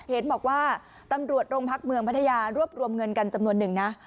เห็นบอกว่าตำรวจโรงพักเมืองพัทยารวบรวมเงินกันจำนวนหนึ่งนะ